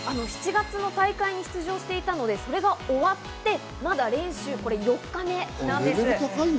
７月の大会に出場していたので、それが終わって、まだ練習、これ４日目なんです。